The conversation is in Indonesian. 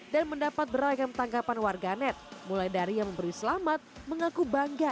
sekali dan mendapat beragam tangkapan warganet mulai dari yang memberi selamat mengaku bangga